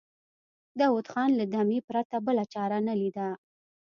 داوود خان له دمې پرته بله چاره نه ليده.